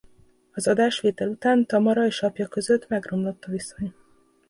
Az adásvétel után Tamara és apja között megromlott a viszony.